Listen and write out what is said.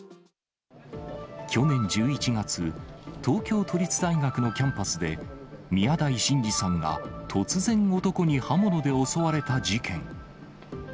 去年１１月、東京都立大学のキャンパスで、宮台真司さんが突然、男に刃物で襲われた事件。